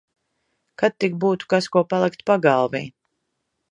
Kad tik būtu kas ko palikt pagalvī.